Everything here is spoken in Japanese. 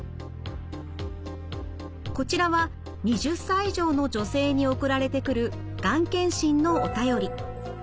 こちらは２０歳以上の女性に送られてくるがん検診のお便り。